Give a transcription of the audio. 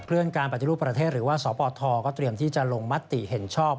เลื่อนการปฏิรูปประเทศหรือว่าสปทก็เตรียมที่จะลงมติเห็นชอบ